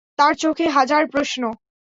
তার চোখে হাজার প্রশ্ন।